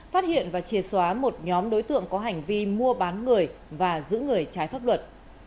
phát hiện và chìa xóa một nhóm đối tượng có hành vi mua bán người và giữ người trái pháp luật